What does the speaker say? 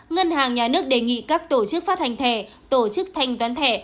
ngân hàng nhà nước đề nghị các tổ chức phát hành thẻ tổ chức thanh toán thẻ